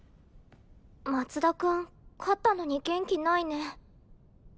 松田君勝ったのに元気ないね。